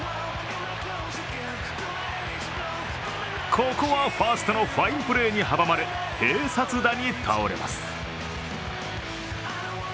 ここはファーストのファインプレーに阻まれ併殺打に倒れます。